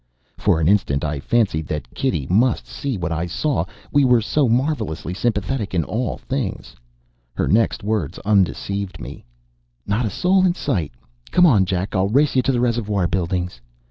For an instant I fancied that Kitty must see what I saw we were so marvelously sympathetic in all things. Her next words undeceived me "Not a soul in sight! Come along, Jack, and I'll race you to the Reservoir buildings!"